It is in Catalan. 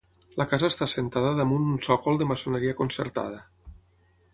La casa està assentada damunt un sòcol de maçoneria concertada.